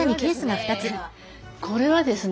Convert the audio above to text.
これはですね